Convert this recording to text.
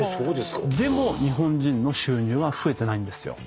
でも日本人の収入は増えてないんですよ。